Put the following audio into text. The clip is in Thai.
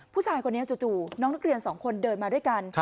ผู้ชายคนนี้จู่น้องนักเรียนสองคนเดินมาด้วยกัน